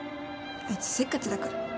あいつせっかちだから。